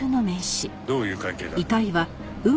どういう関係だ？